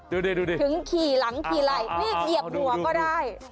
ดูดิถึงขี่หลังขี่ไหล่นี่เหยียบหัวก็ได้